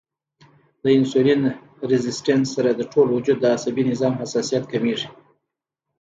د انسولين ريزسټنس سره د ټول وجود د عصبي نظام حساسیت کميږي